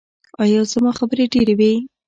ایا زما خبرې ډیرې وې؟